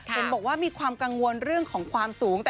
เห็นบอกว่ามีความกังวลเรื่องของความสูง